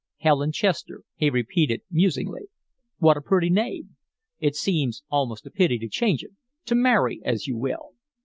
"Helen Chester," he repeated, musingly. "What a pretty name! It seems almost a pity to change it to marry, as you will."